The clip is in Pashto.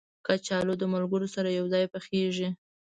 کچالو د ملګرو سره یو ځای پخېږي